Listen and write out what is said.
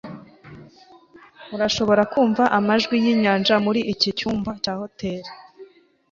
Urashobora kumva amajwi yinyanja muri iki cyumba cya hoteri